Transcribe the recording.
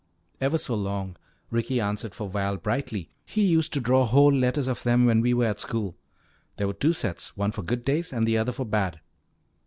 "Ever so long," Ricky answered for Val brightly. "He used to draw whole letters of them when we were at school. There were two sets, one for good days and the other for bad."